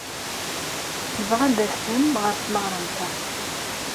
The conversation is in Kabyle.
Nebɣa ad d-tasem ɣer tmeɣra-nteɣ.